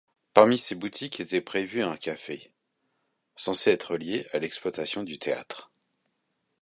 Parmi ces boutiques était prévu un café, censé être lié à l'exploitation du théâtre.